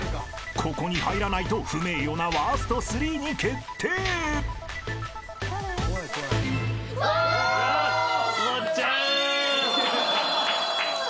［ここに入らないと不名誉なワースト３に決定］わ！